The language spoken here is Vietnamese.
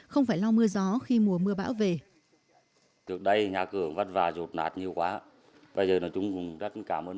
không phải lau mưa gió khi mùa mưa bão về